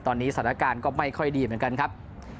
ตอนนี้สถานการณ์ก็ไม่ค่อยดีเหมือนกันครับ